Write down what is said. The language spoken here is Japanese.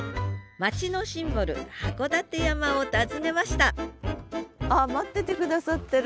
町のシンボル函館山を訪ねましたあっ待ってて下さってる。